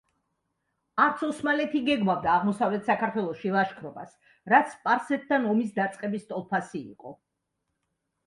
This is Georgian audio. არც ოსმალეთი გეგმავდა აღმოსავლეთ საქართველოში ლაშქრობას, რაც სპარსეთთან ომის დაწყების ტოლფასი იყო.